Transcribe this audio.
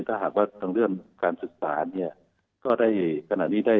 ถ้าหากว่าทั้งเรื่องการศึกษา